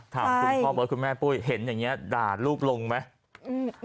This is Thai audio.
ถามคุณพ่อเบิร์ตคุณแม่ปุ้ยเห็นอย่างนี้ด่าลูกลงไหม